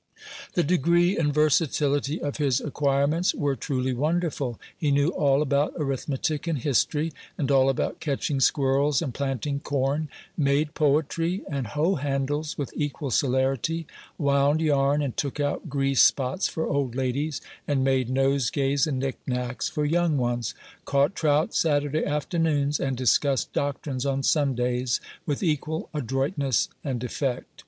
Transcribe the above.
The degree and versatility of his acquirements were truly wonderful. He knew all about arithmetic and history, and all about catching squirrels and planting corn; made poetry and hoe handles with equal celerity; wound yarn and took out grease spots for old ladies, and made nosegays and knickknacks for young ones; caught trout Saturday afternoons, and discussed doctrines on Sundays, with equal adroitness and effect.